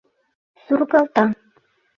Сургалта...